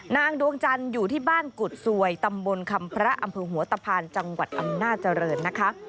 นางดวงจันทวีพันธุ์อยู่ที่บ้านกุฏสวยตำบลคำพระอำเภอหัวตภัณฑ์จังหวัดอำนาจริง